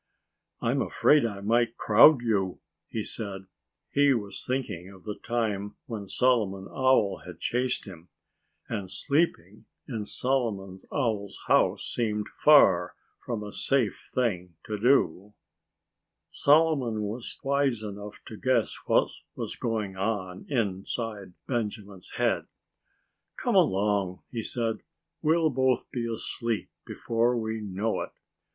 "I'm afraid I might crowd, you," he said. He was thinking of the time when Solomon Owl had chased him. And sleeping in Solomon Owl's house seemed far from a safe thing to do. Benjamin Asked Solomon's Advice Solomon was wise enough to guess what was going on inside Benjamin's head. "Come along!" he said. "We'll both be asleep before we know it.